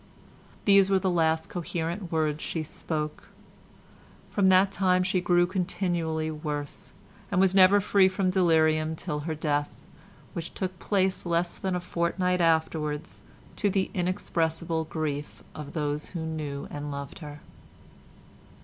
These were the last coherent words she spoke. From that time she grew continually worse, and was never free from delirium till her death—which took place less than a fortnight afterwards, to the inexpressible grief of those who knew and loved her.